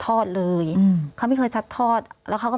พี่เรื่องมันยังไงอะไรยังไง